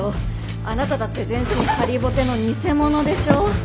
あなただって全身ハリボテの偽者でしょ？